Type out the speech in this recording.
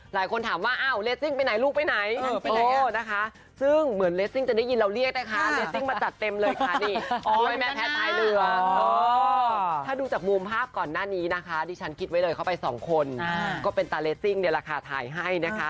หลายคนถามว่าเอ้าเรซิ่งไปไหนลูกไปไหน